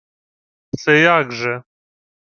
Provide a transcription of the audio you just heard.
— Се як же?